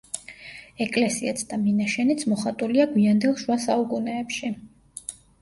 ეკლესიაც და მინაშენიც მოხატულია გვიანდელ შუა საუკუნეებში.